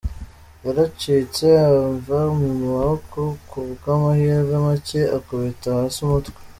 Yarancitse amva mu maboko ku bw’amahirwe make akubita hasi umutwe.